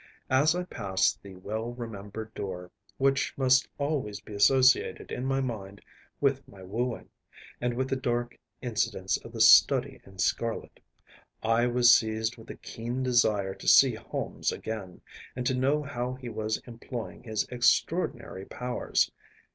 As I passed the well remembered door, which must always be associated in my mind with my wooing, and with the dark incidents of the Study in Scarlet, I was seized with a keen desire to see Holmes again, and to know how he was employing his extraordinary powers.